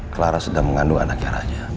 clara sedang mengandung anaknya raja